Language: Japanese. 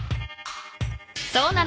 そうなの。